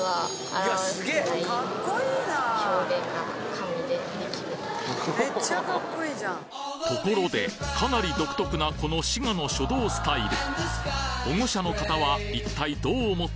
紙でできる・ところでかなり独特なこの滋賀の書道スタイル